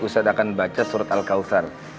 ustadz akan baca surat al kausar